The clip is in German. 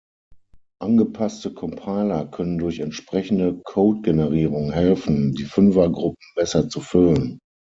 Angepasste Compiler können durch entsprechende Codegenerierung helfen, die Fünfergruppen besser zu füllen.